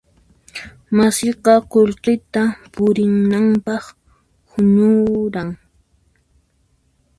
Masiyqa qullqita purinanpaq huñuran.